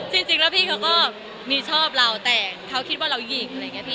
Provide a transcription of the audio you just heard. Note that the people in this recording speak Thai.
จริงแล้วพี่เขาก็มีชอบเราแต่เขาคิดว่าเราหญิงอะไรอย่างนี้พี่